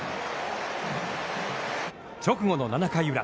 直後の７回裏。